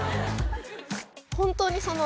本当にその。